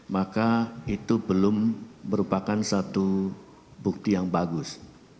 maka itu belum merupakan satu bukti yang bagus